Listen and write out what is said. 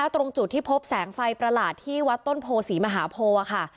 ตรงจุดที่พบแสงไฟประหลาดที่วัดต้นโพศรีมหาโพค่ะ